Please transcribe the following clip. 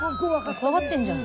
怖がってんじゃん。